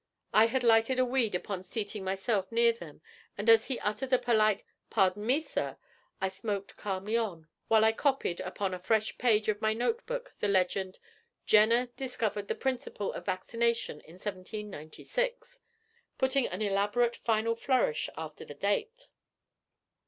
I had lighted a weed upon seating myself near them, and as he uttered a polite 'Pardon me, sir,' I smoked calmly on, while I copied upon a fresh page of my notebook the legend, 'Jenner discovered the principle of vaccination in 1796,' putting an elaborate final flourish after the date.